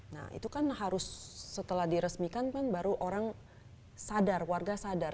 nah itu kan harus setelah diresmikan kan baru orang sadar warga sadar